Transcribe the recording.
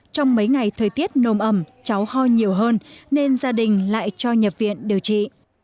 trong mấy ngày thời tiết nồm ẩm cháu ho nhiều hơn nên gia đình lại cho nhập viện điều trị